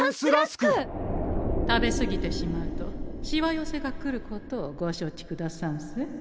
食べすぎてしまうとしわ寄せがくることをご承知くださんせ。